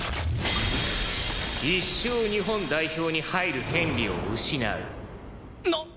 「一生日本代表に入る権利を失う」なっ！